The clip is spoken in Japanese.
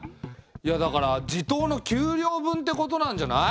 だから地頭の給料分ってことなんじゃない？